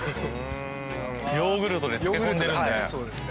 ヨーグルトで漬け込んでるんでふわっふわ。